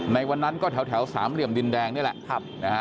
ในวันนั้นก็แถวสามเหลี่ยมดินแดงนี่แหละ